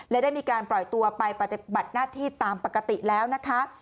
และได้มีการปล่อยตัวไปปฏิบัติหน้าที่ตามปกติแล้วนะคะ